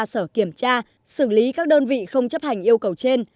giao thanh tra sở kiểm tra xử lý các đơn vị không chấp hành yêu cầu trên